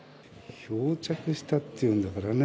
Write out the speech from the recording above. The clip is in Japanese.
漂着したっていうんだからね